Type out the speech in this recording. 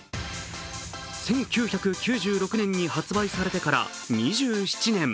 １９９６年に発売されてから２７年。